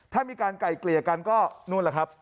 ถ้ามีการไก่เกลี่ยกันก็นู่นแหละครับ